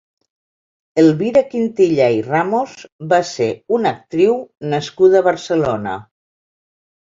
Elvira Quintillà i Ramos va ser una actriu nascuda a Barcelona.